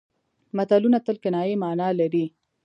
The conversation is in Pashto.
متلونه تل کنايي مانا لري